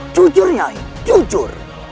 jujur nyai jujur